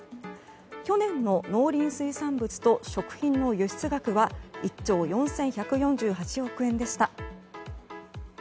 去年の農林水産物と食品の輸出額は１兆４１４８億円でした。